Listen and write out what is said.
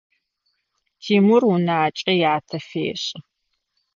Тимур унакӏэ ятэ фешӏы.